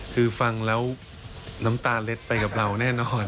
คือฟังแล้วน้ำตาเล็ดไปกับเราแน่นอน